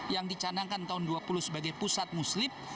yang dicanangkan tahun dua puluh sebagai pusat muslim